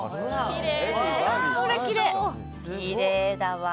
きれいだわ。